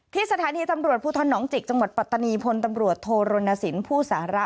ที่สถานีตำรวจพนจิกจังหวัดปรัฏนีพลตำรวจโทรณสินผู้สาระ